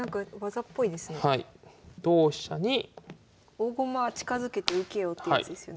「大駒は近づけて受けよ」っていうやつですよね。